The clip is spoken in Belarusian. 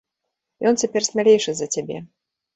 Ён цяпер смялейшы за цябе.